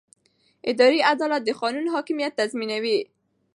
اداري عدالت د قانون حاکمیت تضمینوي.